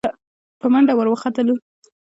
په منډه ور وختلو.